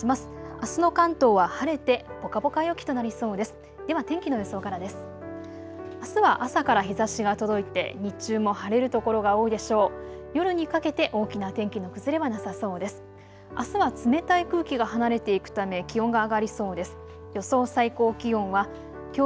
あすは朝から日ざしが届いて日中も晴れる所が多いでしょう。